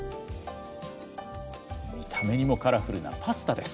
見た目にもカラフルなパスタです。